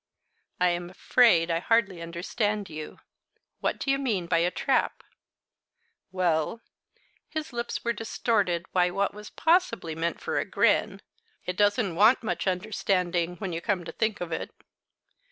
"I am afraid I hardly understand you. What do you mean by a trap?" "Well" his lips were distorted by what was possibly meant for a grin "it doesn't want much understanding, when you come to think of it."